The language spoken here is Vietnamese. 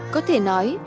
có thể nói